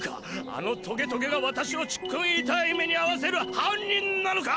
あのトゲトゲが私をちっくんいたーい目にあわせる犯人なのか！